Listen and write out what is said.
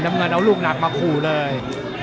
น้ำเงินเอาลูกหนักมาขู่เลย